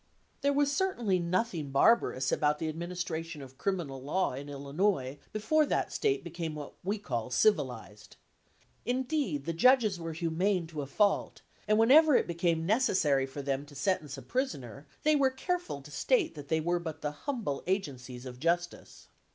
There was certainly nothing barbarous about the administration of the criminal law in Illinois before that State became what we call civilized. Indeed, the judges were humane to a fault, and whenever it became necessary for them to sen tence a prisoner, they were careful to state that they were but the humble agencies of justice.